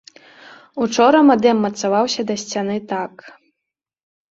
Учора мадэм мацаваўся да сцяны так.